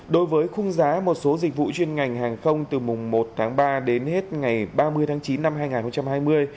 đối với khung giá một số dịch vụ chuyên ngành hàng không từ mùng một tháng ba đến hết ngày ba mươi tháng chín năm hai nghìn hai mươi